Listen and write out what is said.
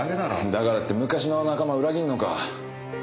だからって昔の仲間を裏切るのか？